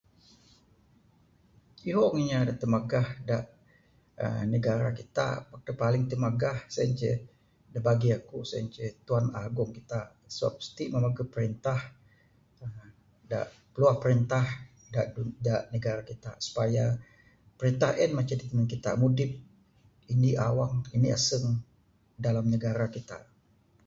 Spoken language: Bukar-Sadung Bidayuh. Ihong inya da timagah da negara kita. Pak da paling timagah sien inceh da bagi aku sien inceh Tuan Agong kita. Sebab siti mah mageh perintah da da piluah perintah da da negara kita supaya perintah en ngancak kita mudip, Indi awang, indi aseng. dalam negara kita.